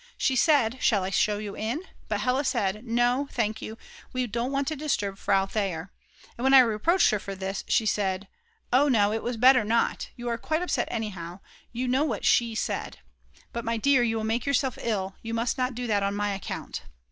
She said: Shall I show you in? but Hella said: "No, thank you, we don't want to disturb Frau Theyer, and when I reproached her for this she said: Oh no, it was better not; you are quite upset anyhow, you know what she said: But my dear child, you will make yourself ill; you must not do that on my account!"